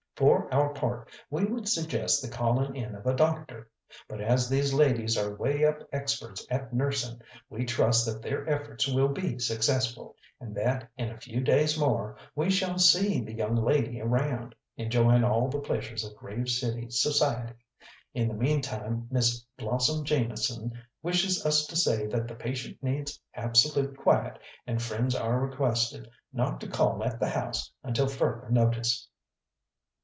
For our part we would suggest the calling in of a doctor; but as these ladies are way up experts at nursing, we trust that their efforts will be successful, and that in a few days more we shall see the young lady around, enjoying all the pleasures of Grave City society. In the meantime Miss Blossom Jameson wishes us to say that the patient needs absolute quiet, and friends are requested not to call at the house until further notice."